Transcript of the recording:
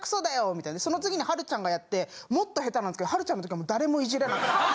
みたいなその次にはるちゃんがやってもっと下手なんですけどはるちゃんのときは。